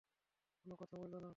কোন কথা বইলো না।